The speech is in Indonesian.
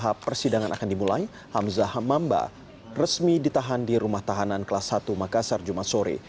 tahap persidangan akan dimulai hamzah mamba resmi ditahan di rumah tahanan kelas satu makassar jumat sore